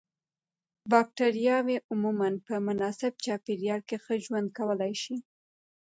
بکټریاوې عموماً په مناسب چاپیریال کې ښه ژوند کولای شي.